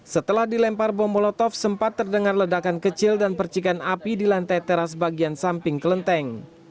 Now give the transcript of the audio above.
setelah dilempar bom molotov sempat terdengar ledakan kecil dan percikan api di lantai teras bagian samping kelenteng